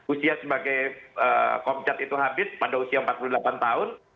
usia sebagai komcat itu habis pada usia empat puluh delapan tahun